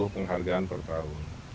sembilan puluh penghargaan per tahun